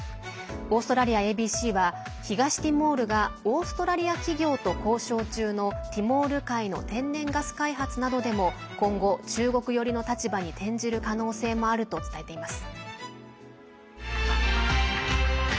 オーストラリアＡＢＣは東ティモールがオーストラリア企業と交渉中のティモール海の天然ガス開発などでも今後、中国寄りの立場に転じる可能性もあると伝えています。